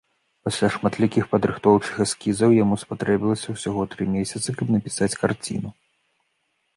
Пасля шматлікіх падрыхтоўчых эскізаў яму спатрэбілася ўсяго тры месяцы, каб напісаць карціну.